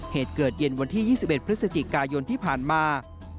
เหตุเกิดเย็นวันที่๒๑พฤศจิกายนที่ผ่านมา